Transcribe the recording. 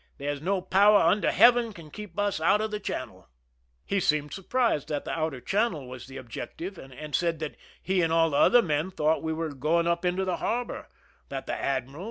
There is no power under heaven can keep us out of the channel !" He seemed surprised that the outer channel was the objective, and said that he and all the other men thought we were going up into the harbor ; that the admiral.